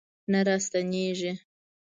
نه راستنیږي